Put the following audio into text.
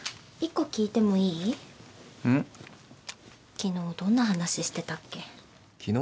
昨日どんな話してたっけ昨日？